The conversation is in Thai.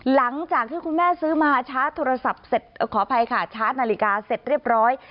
หลังจากที่คุณแม่ซื้อมาชาร์จนาฬิกาเสร็จเรียบร้อย